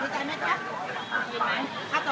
สวัสดีครับ